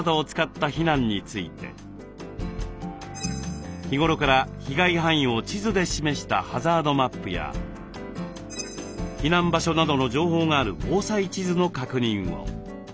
ここからは日頃から被害範囲を地図で示したハザードマップや避難場所などの情報がある防災地図の確認を。